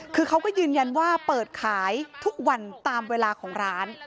คือเขาก็ยืนยันว่าเปิดขายทุกวันตามเวลาของร้าน